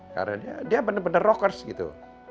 karena dia bener bener rockers gitu